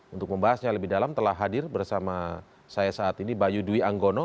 untuk membahasnya lebih dalam telah hadir bersama saya saat ini bayu dwi anggono